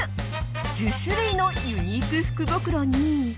１０種類のユニーク福袋に。